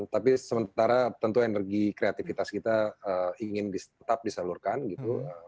tapi sementara tentu energi kreativitas kita ingin tetap disalurkan gitu